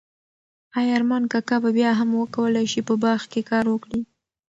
ایا ارمان کاکا به بیا هم وکولای شي په باغ کې کار وکړي؟